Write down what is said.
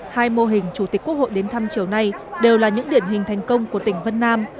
hai mô hình chủ tịch quốc hội đến thăm chiều nay đều là những điển hình thành công của tỉnh vân nam